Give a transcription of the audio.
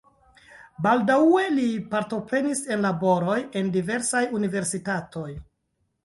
Baldaŭe li partoprenis en laboroj en diversaj universitatoj.